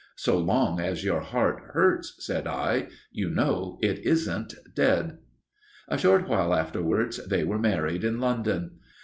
"So long as your heart hurts," said I, "you know it isn't dead." A short while afterwards they were married in London.